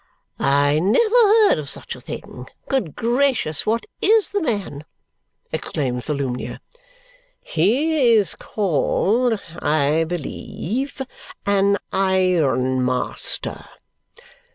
"I never heard of such a thing! Good gracious, what is the man?" exclaims Volumnia. "He is called, I believe an ironmaster."